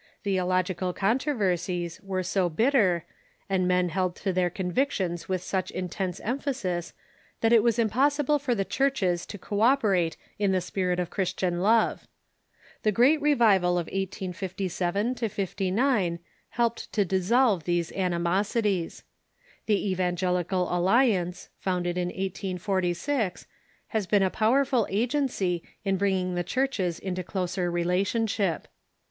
J he old theological controversies were so bitter, and men held to their convictions with such intense emphasis that it was impossible for the churches to co operate in the spirit of Christian love. The great revival of 606 THE CHURCH IX THE UNITED STATES 1857 59 helped to dissolve these animosities. The Evangelical Alliance, founded in 1846, has been a powerful agency in bring ing the churches into closer relationship.